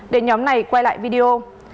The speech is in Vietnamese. để nhóm này quay lại video